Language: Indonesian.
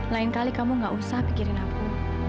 lain kali kamu gak usah pikirin aku